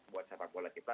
buat siapa boleh kita